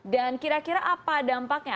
dan kira kira apa dampaknya